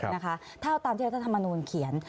นะคะเท่าตามที่เรศรธรรมนุนเขียน